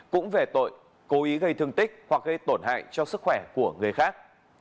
cũng về tội cố ý gây thương tích hoặc gây tổn hại cho sức khỏe của người khác